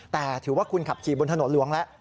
แต่ถือว่าคุณขับขี่บนถนนหลวงแล้ว